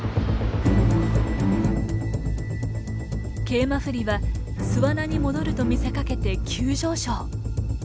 ケイマフリは巣穴に戻ると見せかけて急上昇。